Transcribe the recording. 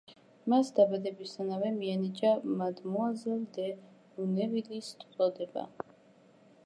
მას დაბადებისთანავე მიენიჭა მადმუაზელ დე ლუნევილის წოდება.